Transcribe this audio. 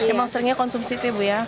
emang seringnya konsumsi itu ya bu ya